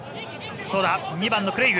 どうだ、２番のクレイグ。